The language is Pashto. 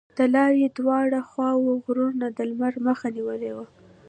د لارې دواړو خواوو غرونو د لمر مخه نیولې وه.